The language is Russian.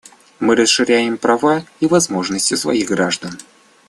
Мы расширяем права и возможности своих граждан.